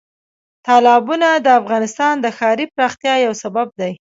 تالابونه د افغانستان د ښاري پراختیا یو سبب دی.